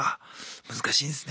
難しいですね。